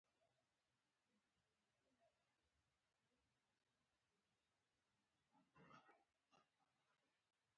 بانکونه د ځوانانو لپاره د کار زمینه برابروي.